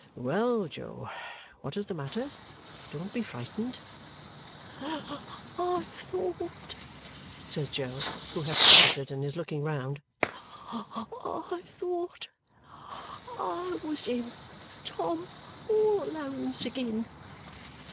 "Well, Jo! What is the matter? Don't be frightened." "I thought," says Jo, who has started and is looking round, "I thought I was in Tom all Alone's agin.